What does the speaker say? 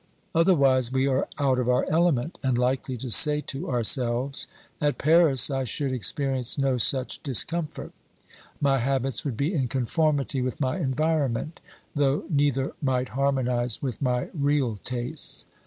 Otherwise we are out of our element, and likely to say to ourselves: "At Paris I should ex[)eri ence no such discomfort ; my liabiis would be in conformity 312 OBERMANN with my environment, though neither might harmonise with my real tastes."